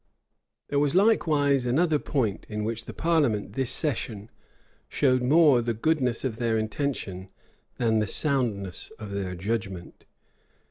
There was likewise another point, in which the parliament, this session, showed more the goodness of their intention than the soundness of their judgment.